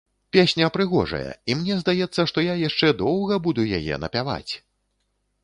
Песня прыгожая, і мне здаецца, што я яшчэ доўга буду яе напяваць!